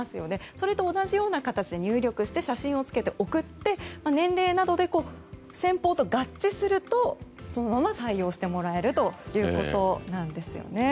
それと同じような形で入力して写真をつけて送って年齢などで先方と合致するとそのまま採用してもらえるということなんですよね。